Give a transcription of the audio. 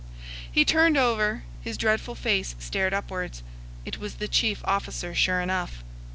He turned over; his dreadful face stared upwards; it was the chief officer, sure enough.